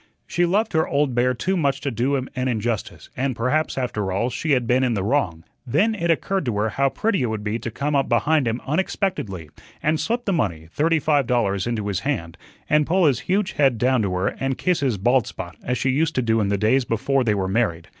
She loved her "old bear" too much to do him an injustice, and perhaps, after all, she had been in the wrong. Then it occurred to her how pretty it would be to come up behind him unexpectedly, and slip the money, thirty five dollars, into his hand, and pull his huge head down to her and kiss his bald spot as she used to do in the days before they were married.